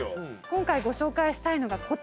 今回ご紹介したいのがこちら。